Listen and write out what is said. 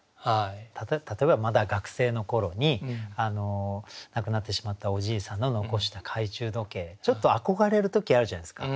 例えばまだ学生の頃に亡くなってしまったおじいさんの残した懐中時計ちょっと憧れる時あるじゃないですか。